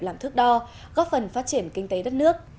làm thước đo góp phần phát triển kinh tế đất nước